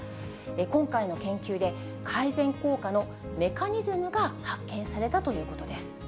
今回の研究で、改善効果のメカニズムが発見されたということです。